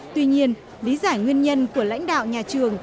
tuy nhiên lý giải nguyên nhân của lãnh đạo nhà trường